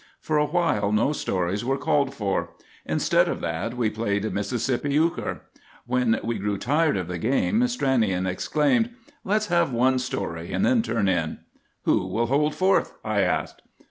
For a while no stories were called for. Instead of that we played Mississippi euchre. When we grew tired of the game, Stranion exclaimed, "Let's have one story, and then turn in!" "Who will hold forth?" I asked.